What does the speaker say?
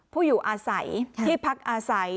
อยู่อาศัยที่พักอาศัย